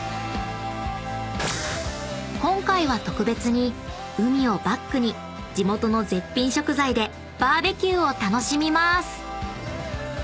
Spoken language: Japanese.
［今回は特別に海をバックに地元の絶品食材でバーベキューを楽しみます］